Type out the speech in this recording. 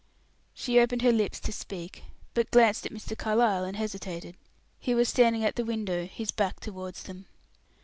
She opened her lips to speak, but glanced at Mr. Carlyle and hesitated. He was standing at the window, his back towards them.